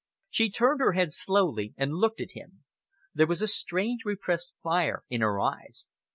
She turned her head slowly and looked at him. There was a strange, repressed fire in her eyes.